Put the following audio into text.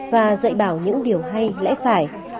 và dạy bảo những điều hay lẽ phải